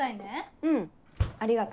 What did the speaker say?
うんありがと。